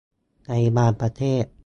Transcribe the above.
ในบางประเทศ